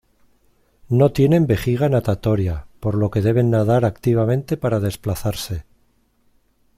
No tienen vejiga natatoria, por lo que deben nadar activamente para desplazarse.